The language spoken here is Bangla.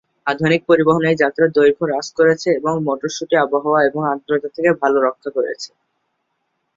আধুনিক পরিবহন এই যাত্রার দৈর্ঘ্য হ্রাস করেছে এবং মটরশুটি আবহাওয়া এবং আর্দ্রতা থেকে ভাল রক্ষা করেছে।